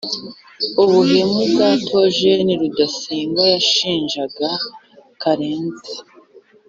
ubuhemu bwa theogène rudasingwa yashinjaga karenzi